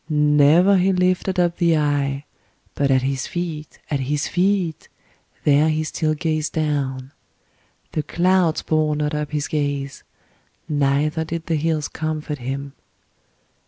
Never he lifted up the eye, but at his feet, at his feet, there he still gazed down. The clouds bore not up his gaze, neither did the hills comfort him.